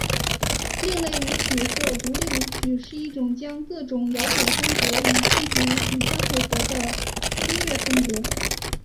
另类舞曲或独立舞曲是一种将各种摇滚风格与电子舞曲相混合的音乐风格。